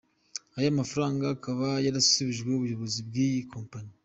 Aya mafaranga akaba yarasubijwe ubuyobozi bw’iyi Kompanyi.